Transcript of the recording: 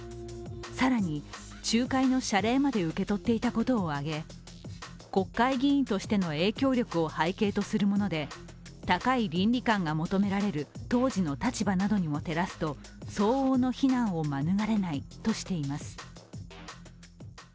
更に仲介の謝礼まで受け取っていたことを挙げ国会議員としての影響力を背景とするもので高い倫理観が求められる当時の立場などにも照らすと相応の非難を免れないとしています。